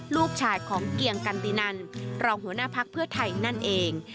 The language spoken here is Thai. ลูกชายของเกียงกันตินันรองหัวหน้าพักเพื่อไทยนั่นเอง